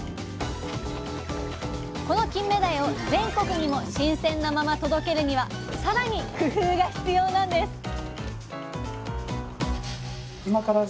このキンメダイを全国にも新鮮なまま届けるにはさらに工夫が必要なんです